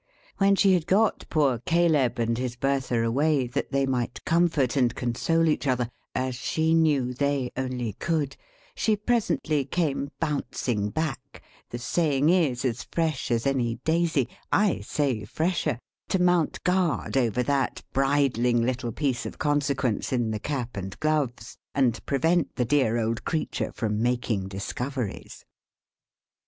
When she had got poor Caleb and his Bertha away, that they might comfort and console each other, as she knew they only could, she presently came bouncing back, the saying is, as fresh as any daisy; I say fresher to mount guard over that bridling little piece of consequence in the cap and gloves, and prevent the dear old creature from making discoveries.